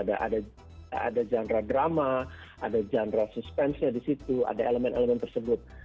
ada genre drama ada genre suspense nya di situ ada elemen elemen tersebut